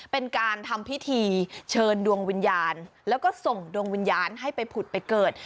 เป็นการทำพิธีเชิญดวงวิญญาณแล้วก็ส่งดวงวิญญาณให้ไปผุดไปเกิด